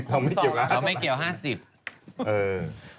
เราไม่เกี่ยว๕๐ล้านคน